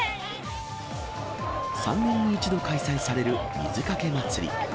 ３年に一度開催される水かけ祭り。